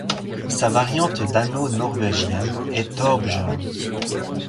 Sa variante dano-norvégienne est Thorbjørn.